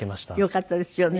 よかったですよね。